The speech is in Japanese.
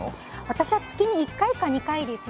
私は月に１回か２回ですね。